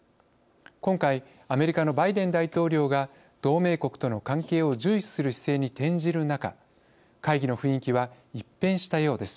今回アメリカのバイデン大統領が同盟国との関係を重視する姿勢に転じる中会議の雰囲気は一変したようです。